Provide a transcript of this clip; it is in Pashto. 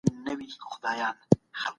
څه شی نوی ولسمشر له لوی ګواښ سره مخ کوي؟